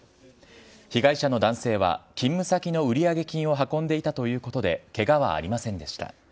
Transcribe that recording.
被害者の男性は勤務先の売上金を運んでいたということで、けがはありませんでした。